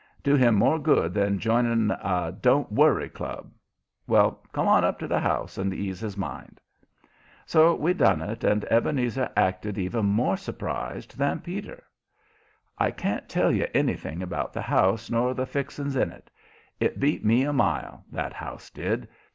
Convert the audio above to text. Do him more good than joining a 'don't worry club.' Well, come on up to the house and ease his mind." So we done it, and Ebenezer acted even more surprised than Peter. I can't tell you anything about that house, nor the fixings in it; it beat me a mile that house did.